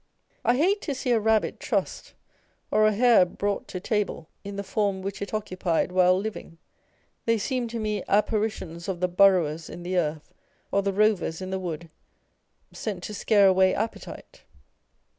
I hate to see a rabbit trussed, or a hare brought to table in the form which it occupied while living : they seem to me apparitions of the burrowers in the earth or the rovers in the wood, sent to scare away appetite.